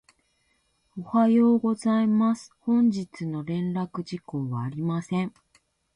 おはようございます。本日の連絡事項はありません。